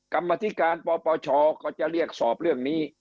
กรรมธิการปปชก็จะเรียกสอบเรื่องนี้